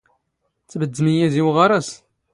ⵜⴱⴷⴷⵎ ⵉⵢⵉ ⴷⵉ ⵓⵖⴰⵔⴰⵙ!